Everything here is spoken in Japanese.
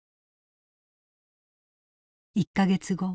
１か月後。